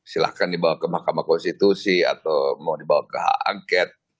silahkan dibawa ke mahkamah konstitusi atau mau dibawa ke hak angket